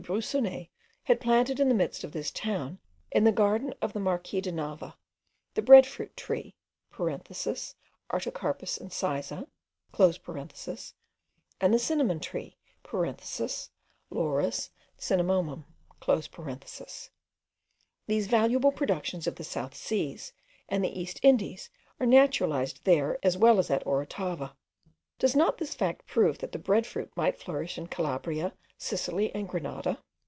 Broussonnet had planted in the midst of this town, in the garden of the Marquis de Nava, the bread fruit tree (Artocarpus incisa), and cinnamon tree (Laurus Cinnamomum). These valuable productions of the South Sea and the East Indies are naturalized there as well as at Orotava. Does not this fact prove that the bread fruit might flourish in Calabria, Sicily, and Granada?